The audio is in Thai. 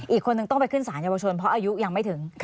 อีกคนนึงต้องไปขึ้นสารเยาวชนเพราะอายุยังไม่ถึง